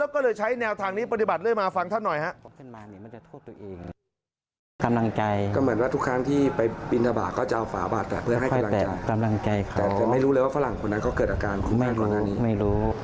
กำลังใจเขาแต่ไม่รู้เลยว่าฝรั่งคนนั้นก็เกิดอาการคุณพระมหานานนี้ไม่รู้ไม่รู้